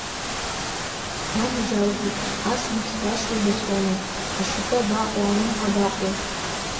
Уанаџьалбеит, ас мыцҳәашьа убахьоума, ашьапы абаҟоу, алымҳа абаҟоу?